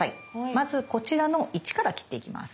まずこちらの１から切っていきます。